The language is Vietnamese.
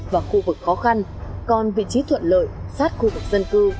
và khu vực khó khăn còn vị trí thuận lợi sát khu vực dân cư